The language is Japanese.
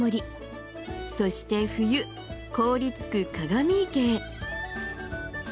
そして冬凍りつく鏡池へ。